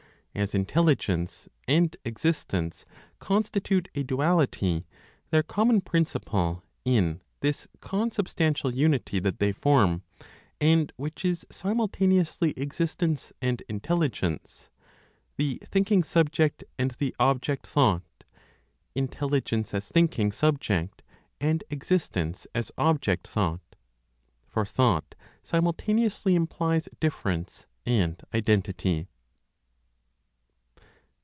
As intelligence and existence constitute a duality, their common principle in this consubstantial unity that they form, and which is simultaneously existence and intelligence, the thinking subject and the object thought; intelligence as thinking subject, and existence as object thought; for thought simultaneously implies difference and identity.